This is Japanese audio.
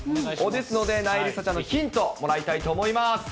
ですので、なえりさちゃんのヒント、もらいたいと思います。